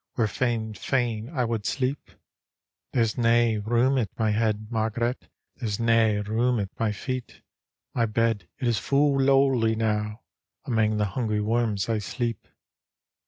Where fain, fain, I wad sleep?" " There's nae room at my head, Marg'ret, There's nae room at my feet; My bed it is fu' lowly now, Amai^ the hungry worms I sleep.